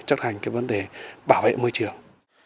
chấp hành cái vấn đề bảo vệ môi trường